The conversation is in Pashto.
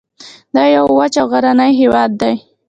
دا یو وچ او غرنی هیواد دی